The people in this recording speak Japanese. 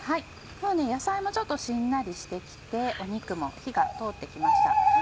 もう野菜もちょっとしんなりして来て肉も火が通って来ました。